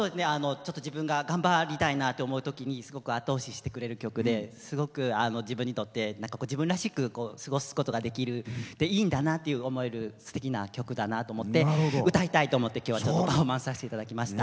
自分が頑張りたいなと思うときにすごく後押ししてくれる曲ですごく自分にとって自分らしく過ごしていいんだなと思えるすてきな曲だと思って歌いたいと思って、きょうはパフォーマンスさせていただきました。